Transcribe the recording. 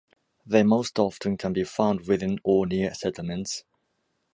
They most often can be found within or near settlements.